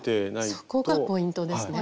そこがポイントですね。